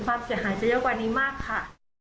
ความเสียหายจะเยอะกว่านี้มากค่ะ